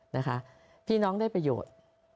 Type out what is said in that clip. นะคะพี่น้องได้ประโยชน์